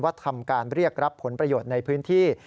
ทำการเรียกรับผลประโยชน์ในพื้นที่